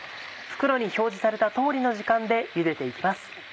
袋に表示された通りの時間でゆでて行きます。